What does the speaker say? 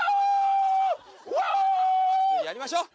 やりましょう。